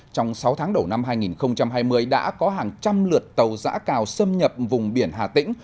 trong sáu tháng đầu năm hai nghìn hai mươi đã có hàng trăm lượt tàu giã cào xâm nhập vùng biển hà tĩnh